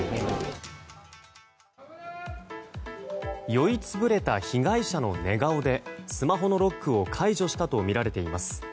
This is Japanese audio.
酔い潰れた被害者の寝顔でスマホのロックを解除したとみられています。